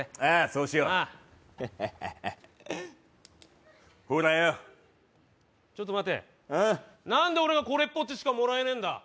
そうしようハッハッハハほらよちょっと待て何で俺がこれっぽっちしかもらえねえんだ